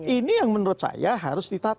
ini yang menurut saya harus ditata